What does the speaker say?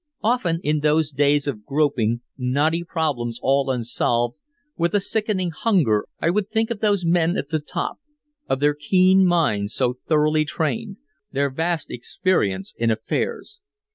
Often in those days of groping, knotty problems all unsolved, with a sickening hunger I would think of those men at the top, of their keen minds so thoroughly trained, their vast experience in affairs.